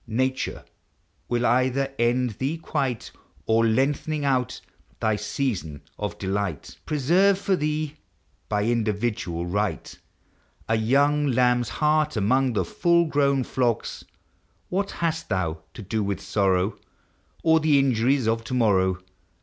p Nature will either end thee quite; Or, lengthening out thy season of delight, Preserve for thee, by individual right, A young lamb's heart among the full grown flocks. What hast thou to do with sorrow, Or the injuries of to morrow?